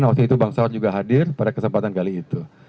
nah waktu itu bang saud juga hadir pada kesempatan kali itu